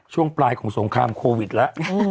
ช่วงปลายของสงครามโควิดแล้ว